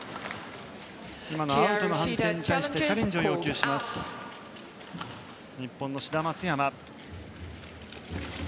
今のアウトの判定に対しチャレンジを要求した日本の志田、松山。